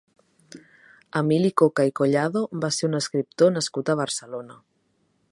Emili Coca i Collado va ser un escriptor nascut a Barcelona.